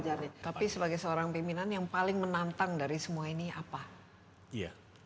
jadi ini kelembagaan yang paling menantang dari semua ini apa